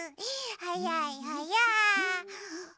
はやいはやい。